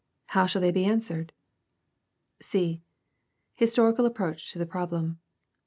How shall they be answered ? c) Historical approach to the problem.